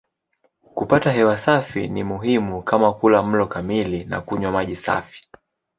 Kupata hewa safi ni muhimu kama kula mlo kamili na kunywa maji safi.